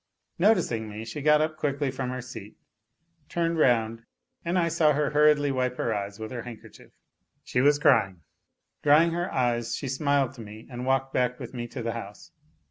Noticing me, she got up quickly from her seat, turned round, and I saw her hurriedly wipe her eyes with her handkerchief. She was crying. Drying her eyes, she smiled to me and walked back with me to the house.